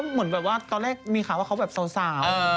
เหมือนแบบว่าตอนแรกมีข่าวว่าเขาแบบสาว